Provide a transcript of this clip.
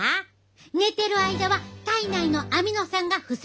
寝てる間は体内のアミノ酸が不足。